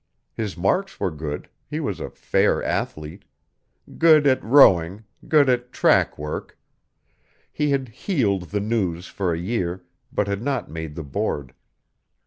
His marks were good, he was a fair athlete; good at rowing, good at track work; he had "heeled" the News for a year, but had not made the board.